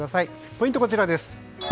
ポイントはこちらです。